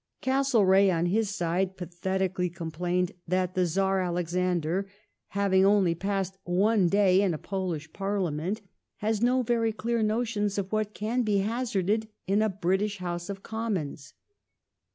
Castlereagh on his side pathe tically complained that the Czar Alexander " having only passed one day in a Polish Parliament has no very clear notions of what can be hazarded in a British House of Commons